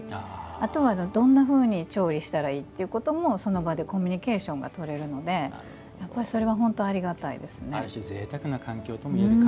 あとはどんなふうに調理したらいいかもその場でコミュニケーションがとれるのでやっぱり本当ありがたいですね。